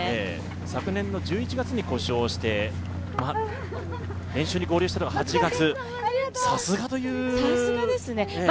昨年の１１月に故障して、練習に合流したのが８月、さすがという。